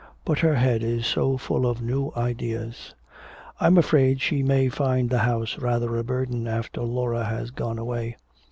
But her head is so full of new ideas. I'm afraid she may find the house rather a burden after Laura has gone away."